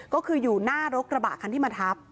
ก็คืออยู่หน้ารถกระบะคันที่มาทับ